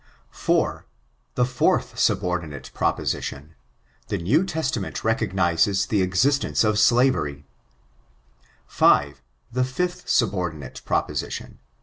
4. The fourth subordinate proposiHon, — The New Tu^ taiment recognizes the existence of slavery, 5. The fifth subordinate proposition.